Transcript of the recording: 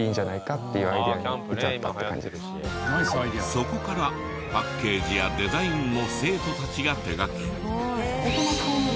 そこからパッケージやデザインを生徒たちが手掛け。